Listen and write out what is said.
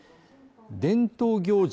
伝統行事